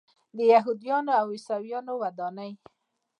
د یهودانو او عیسویانو ودانۍ.